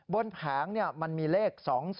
แผงมันมีเลข๒๒